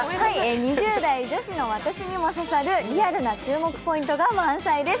２０代女子の私にも刺さるリアルな注目ポイントが満載です。